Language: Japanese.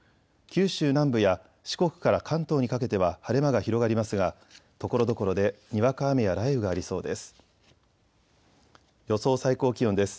九州南部や四国から関東にかけては晴れ間が広がりますが、ところどころでにわか雨や雷雨がありそうです。